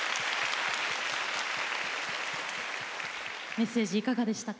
メッセージいかがでしたか？